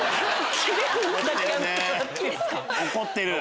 怒ってる！